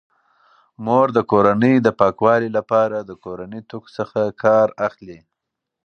مور د کورنۍ د پاکوالي لپاره د کورني توکو څخه کار اخلي.